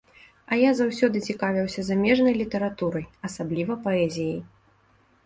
А я заўсёды цікавіўся замежнай літаратурай, асабліва паэзіяй.